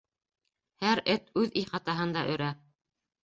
— Һәр эт үҙ ихатаһында өрә!